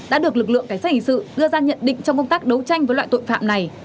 đã được lực lượng cảnh sát hình sự đưa ra nhận định trong công tác đấu tranh với loại tội phạm này